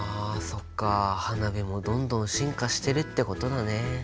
そっか花火もどんどん進化してるってことだね。